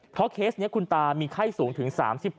เพราะเคสนี้คุณตามีไข้สูงถึง๓๖